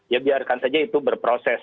ya biarkan saja itu berproses